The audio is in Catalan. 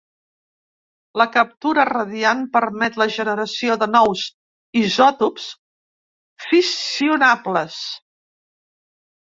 La captura radiant permet la generació de nous isòtops fissionables.